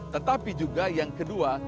tetapi juga yang kedua